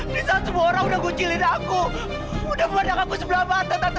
di saat semua orang udah gucilin aku udah memandang aku sebelah mata tante